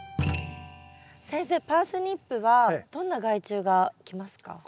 先生パースニップはどんな害虫が来ますか？